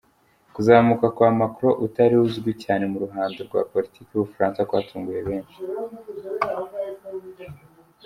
Kuzamuka kwa Macron utari uzwi cyane mu ruhando rwa Politike y’Ubufaransa kwatunguye benshi.